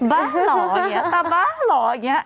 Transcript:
บ๊ะหรอเนี่ยแต่บ๊ะหรออย่างเงี้ย